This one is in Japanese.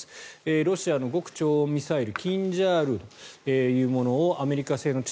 ロシアの極超音速ミサイルキンジャールというものをアメリカ製の地